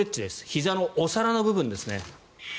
ひざのお皿の部分ですね。